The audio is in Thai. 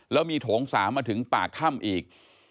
แล้วมีโถง๓มาถึงปากถ้ำอีก